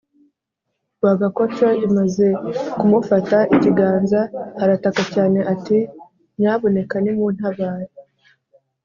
Rwagakoco imaze kumufata ikigaanza, arataka cyane ati nyabuneka nimuntabare